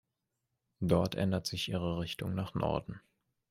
Dort ändert sich ihre Richtung nach Norden.